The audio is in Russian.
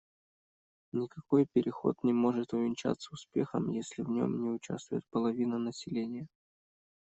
Никакой переход не может увенчаться успехом, если в нем не участвует половина населения.